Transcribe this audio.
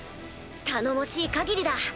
頼もしい限りだ。